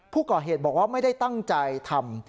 ผู้ก่อเหตุบอกว่าไม่ได้ตั้งใจทำ